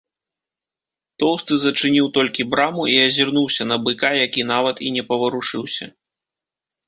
Тоўсты зачыніў толькі браму і азірнуўся на быка, які нават і не паварушыўся.